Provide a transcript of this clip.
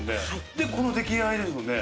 でこの出来栄えですもんね。